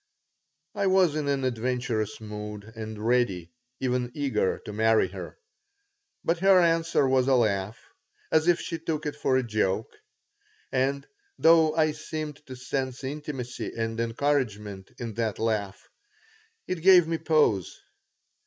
I was in an adventurous mood and ready, even eager, to marry her. But her answer was a laugh, as if she took it for a joke; and, though I seemed to sense intimacy and encouragement in that laugh, it gave me pause.